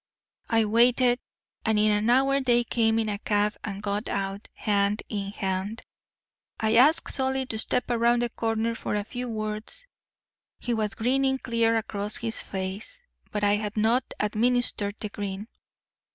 "I waited; and in an hour they came in a cab and got out, hand in hand. I asked Solly to step around the corner for a few words. He was grinning clear across his face; but I had not administered the grin.